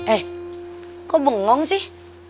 eh kok bengong sih